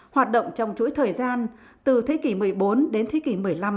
hoạt động trong chuỗi thời gian từ thế kỷ một mươi bốn đến thế kỷ một mươi năm